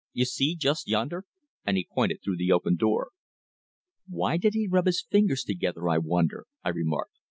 You see, just yonder," and he pointed through the open door. "Why did he rub his fingers together, I wonder?" I remarked.